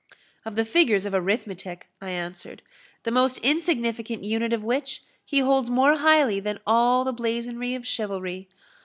"Of the figures of arithmetic," I answered; "the most insignificant unit of which he holds more highly than all the blazonry of chivalry.